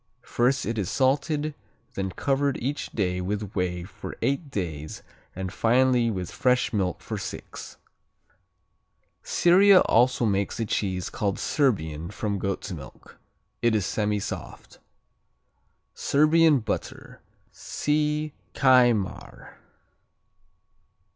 First it is salted, then covered each day with whey for eight days and finally with fresh milk for six. Syria also makes a cheese called Serbian from goat's milk. It is semisoft. Serbian Butter see Kajmar.